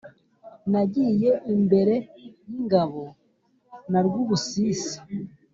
Nagiye imbere y'ingabo na Rwubusisi